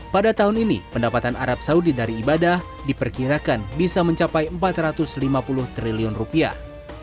pada tahun ini pendapatan arab saudi dari ibadah diperkirakan bisa mencapai empat ratus lima puluh triliun rupiah